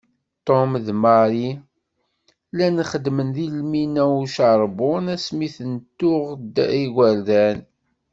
Tom d Marie llan xeddmen deg lmina ucerbun asmi ten-tuɣ d igerdan.